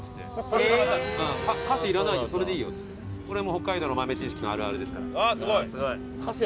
これも北海道の豆知識のあるあるですから。